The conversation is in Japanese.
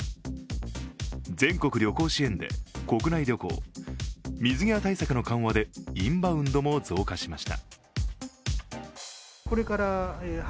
全国旅行支援で国内旅行、水際対策の緩和でインバウンドも増加しました。